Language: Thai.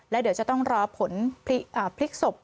และเจ้าจะต้องรอผลผลิกศพ